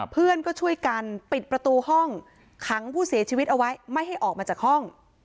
เพื่อนก็ช่วยกันปิดประตูห้องขังผู้เสียชีวิตเอาไว้ไม่ให้ออกมาจากห้อง